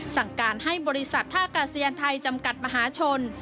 สั่งการให้บริษัทท่ากาศยานไทยจำกัดมหาชน